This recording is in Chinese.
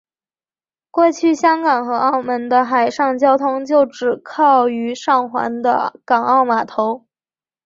过去香港和澳门的海上交通就只靠位于上环的港澳码头。